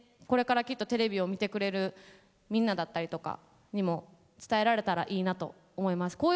これからきっとテレビを見てくれるみんなだったりとかにも伝えられたらいいなと思います。